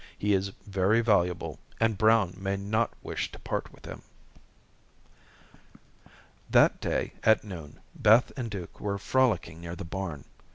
He is very valuable, and Brown may not wish to part with him." That day, at noon, Beth and Duke were frolicing near the barn.